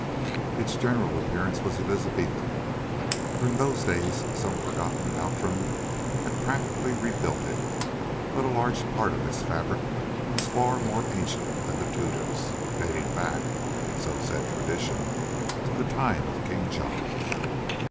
Its general appearance was Elizabethan, for in those days some forgotten Outram had practically rebuilt it; but a large part of its fabric was far more ancient than the Tudors, dating back, so said tradition, to the time of King John.